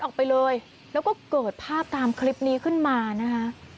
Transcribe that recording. ออกไปเลยแล้วก็เกิดภาพตามคลิปนี้ขึ้นมานะคะ